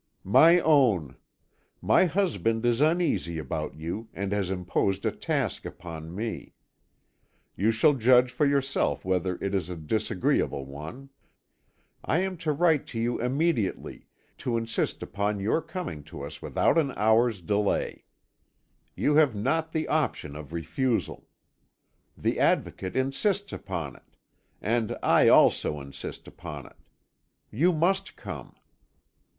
II "My Own, My husband is uneasy about you, and has imposed a task upon me. You shall judge for yourself whether it is a disagreeable one. I am to write to you immediately, to insist upon your coming to us without an hour's delay. You have not the option of refusal. The Advocate insists upon it, and I also insist upon it. You must come.